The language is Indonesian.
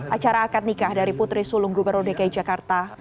acara akad nikah dari putri sulung gubernur dki jakarta